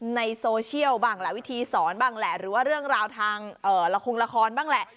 ในโซเชียลบ้างแหละวิธีสอนบ้างแหละหรือว่าเรื่องราวทางละครงละครบ้างแหละ